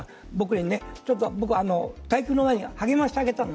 で、僕対局の前に励ましてあげたの。